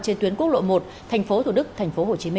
trên tuyến quốc lộ một tp thủ đức tp hcm